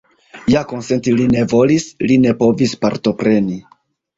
Ja konsenti li ne volis, li ne povis partopreni.